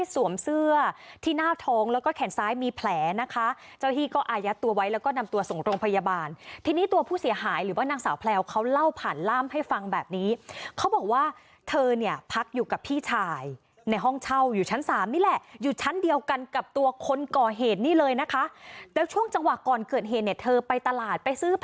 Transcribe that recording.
เสื้อที่หน้าท้องแล้วก็แขนซ้ายมีแผลนะคะเจ้าที่ก็อายัดตัวไว้แล้วก็นำตัวส่งโรงพยาบาลทีนี้ตัวผู้เสียหายหรือว่านางสาวแพลวเขาเล่าผ่านล่ามให้ฟังแบบนี้เขาบอกว่าเธอเนี่ยพักอยู่กับพี่ชายในห้องเช่าอยู่ชั้นสามนี่แหละอยู่ชั้นเดียวกันกับตัวคนก่อเหตุนี่เลยนะคะแล้วช่วงจังหวะก่อนเกิดเหตุเนี่ยเธอไปตลาดไปซื้อพ